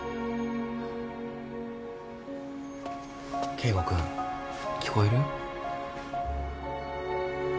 圭吾君聞こえる？